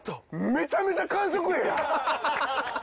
めちゃめちゃ感触ええやん！